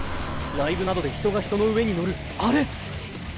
ライブなどで人が人の上に乗るあれ！